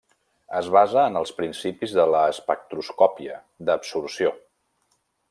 Es basa en els principis de l'espectroscòpia d'absorció.